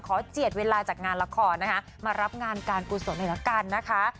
เจียดเวลาจากงานละครนะคะมารับงานการกุศลหน่อยละกันนะคะ